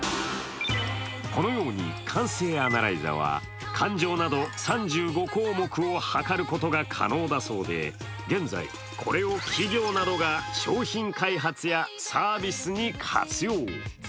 このように感性アナライザは感情など３５項目をはかることが可能だそうで現在、これを企業などが商品開発やサービスに活用。